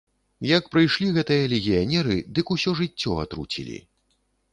Як прыйшлі гэтыя легіянеры, дык усё жыццё атруцілі.